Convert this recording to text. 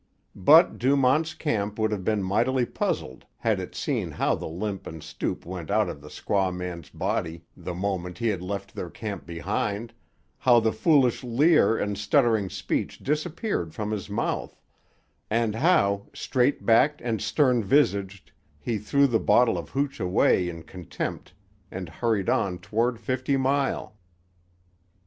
But Dumont's Camp would have been mightily puzzled had it seen how the limp and stoop went out of the squaw man's body the moment he had left their camp behind, how the foolish leer and stuttering speech disappeared from his mouth, and how, straight backed and stern visaged, he threw the bottle of hooch away in contempt and hurried on toward Fifty Mile.